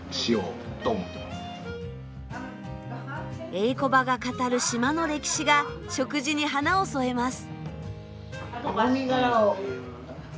えいこばが語る島の歴史が食事に花を添えます。